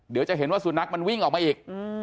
เดี๋ยวจะเห็นว่าสุนัขมันวิ่งออกมาอีก